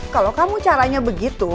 kalau kamu caranya begitu